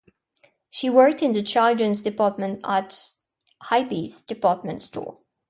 She worked in the children's department at Higbee's Department store.